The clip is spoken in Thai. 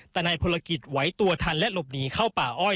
แต่นายพลกิจไหวตัวทันและหลบหนีเข้าป่าอ้อย